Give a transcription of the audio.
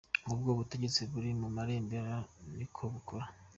Ngubwo ubutegetsi buri mu marembera niko bukora.